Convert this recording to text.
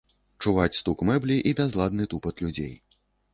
Чуваць стук мэблі і бязладны тупат людзей.